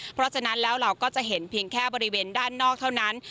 เพราะฉะนั้นแล้วเราก็จะเห็นเพียงแค่บริเวณด้านนอกเท่านั้น